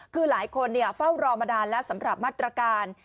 คือหลายคนเฝ้ารอมานานแล้วสำหรับมาตรการ